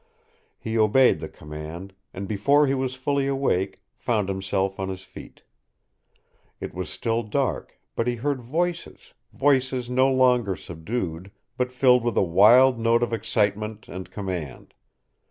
He obeyed the command, and before he was fully awake, found himself on his feet. It was still dark, but he heard voices, voices no longer subdued, but filled with a wild note of excitement and command.